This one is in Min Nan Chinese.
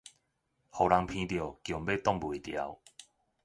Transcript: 予人鼻著強欲擋袂牢